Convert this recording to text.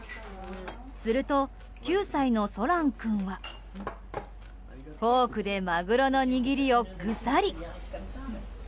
すると、９歳のソラン君はフォークで、マグロの握りをぐさり。